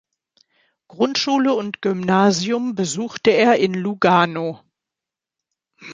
Grundschule und Gymnasium besuchte er in Lugano.